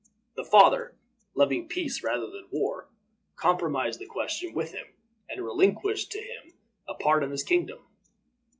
The father, loving peace rather than war, compromised the question with him, and relinquished to him a part of his kingdom.